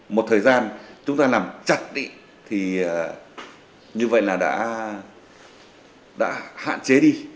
một thời gian chúng ta làm chặt thì như vậy đã hạn chế đi